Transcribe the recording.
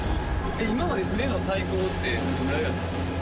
今まで船の最高ってどれぐらいやったんですか？